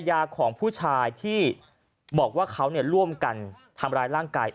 ยาของผู้ชายที่บอกว่าเขาร่วมกันทำร้ายร่างกาย